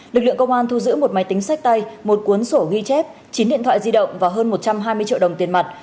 lực lượng công an thu giữ một máy tính sách tay một cuốn sổ ghi chép chín điện thoại di động và hơn một trăm hai mươi triệu đồng tiền mặt